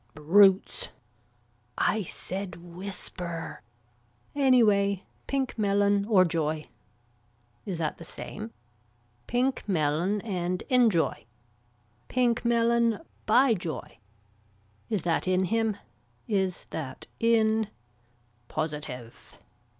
Brutes. I said whisper. Anyway Pink melon or joy. Is that the same. Pink melon and enjoy. Pink melon by joy. Is that in him. Is that in. Positive.